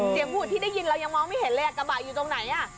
เสียงหุ่นที่ได้ยินเรายังมองไม่เห็นเลยอะกระบะอยู่ตรงไหนอ่ะ